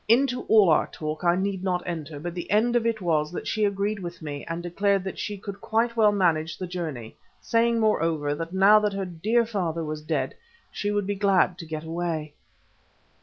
Into all our talk I need not enter, but the end of it was that she agreed with me, and declared that she could quite well manage the journey, saying, moreover, that now that her dear father was dead she would be glad to get away.